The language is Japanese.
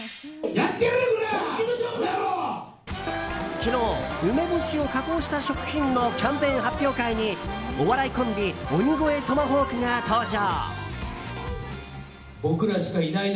昨日、梅干しを加工した食品のキャンペーン発表会にお笑いコンビ鬼越トマホークが登場。